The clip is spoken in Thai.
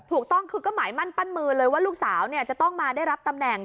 ถูกต้องคือก็หมายมั่นปั้นมือเลยว่าลูกสาวจะต้องมาได้รับตำแหน่ง